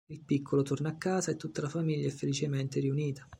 Il piccolo torna a casa e tutta la famiglia è felicemente riunita.